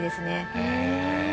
へえ。